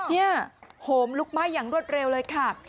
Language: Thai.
นี่โฮมลุกใบ้อย่างรวดเร็วเลยค่ะ